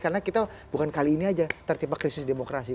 karena kita bukan kali ini aja tertiba krisis demokrasi